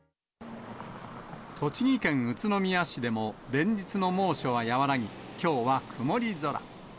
栃木県宇都宮市でも、連日の猛暑は和らぎ、きょうは曇り空。